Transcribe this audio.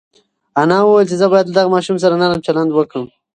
انا وویل چې زه باید له دغه ماشوم سره نرم چلند وکړم.